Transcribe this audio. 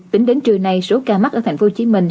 tính đến trưa nay số ca mắc ở tp hcm